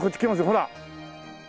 ほら！